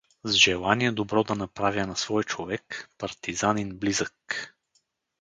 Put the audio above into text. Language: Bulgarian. С желание добро да направя на свой човек — партизанин близък.